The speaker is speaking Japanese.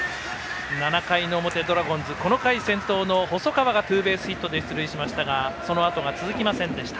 ７回の表、ドラゴンズこの回、先頭の細川がツーベースヒットで出塁しましたがそのあとが続きませんでした。